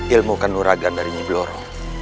ilmu ke nuragan dari nyi bloro